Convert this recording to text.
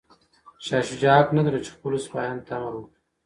شاه شجاع حق نه درلود چي خپلو سپایانو ته امر وکړي.